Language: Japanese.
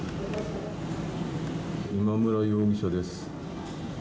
今村容疑者です。